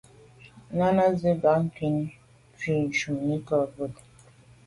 Náná zí bǎk ncwɛ́n bû shúnì kā bút.